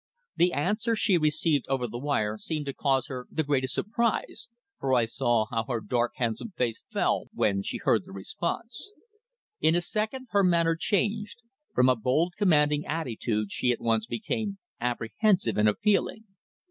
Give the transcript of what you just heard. The answer she received over the wire seemed to cause her the greatest surprise, for I saw how her dark, handsome face fell when she heard the response. In a second her manner changed. From a bold, commanding attitude she at once became apprehensive and appealing.